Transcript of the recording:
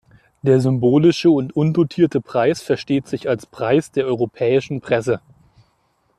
Der symbolische und undotierte Preis versteht sich als „Preis der europäischen Presse“.